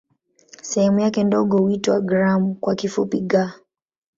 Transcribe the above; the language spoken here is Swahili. Sehemu yake ndogo huitwa "gramu" kwa kifupi "g".